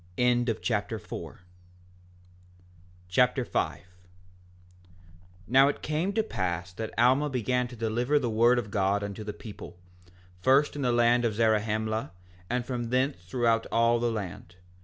Alma Chapter 5 5:1 Now it came to pass that Alma began to deliver the word of God unto the people, first in the land of Zarahemla, and from thence throughout all the land.